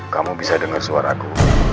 kamu bisa dengar suaraku